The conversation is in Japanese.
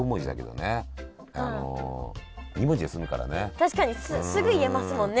確かにすぐ言えますもんね。